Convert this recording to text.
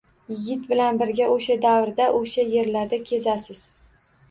Yigit bilan birga oʻsha davrda, oʻsha yerlarda kezasiz.